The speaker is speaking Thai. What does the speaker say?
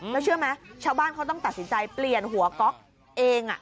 แล้วเชื่อไหมชาวบ้านเขาต้องตัดสินใจเปลี่ยนหัวก๊อกเอง